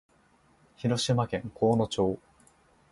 福島県広野町